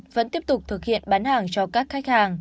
vẫn tiếp tục thực hiện bán hàng cho các khách hàng